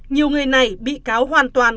nhiều người này bị cáo hoàn toàn